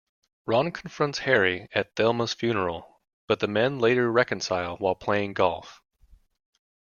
Ron confronts Harry at Thelma's funeral, but the men later reconcile while playing golf.